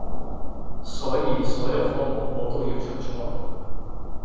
所以所有科目我都要出賽